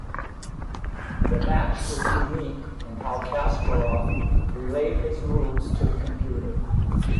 The match was unique in how Kasparov relayed his moves to the computer.